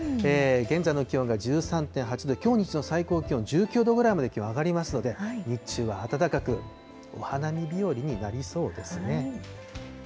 現在の気温が１３．８度、きょう日中の最高気温、１９度ぐらいまで気温上がりますので、日中は暖かく、お花見日和になりそうですね。